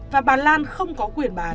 và bà lan không có quyền bán